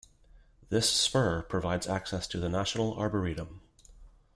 This spur provides access to the National Arboretum.